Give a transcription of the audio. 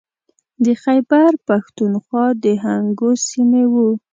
د خیبر پښتونخوا د هنګو سیمې و.